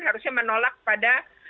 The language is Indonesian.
harusnya menolak pada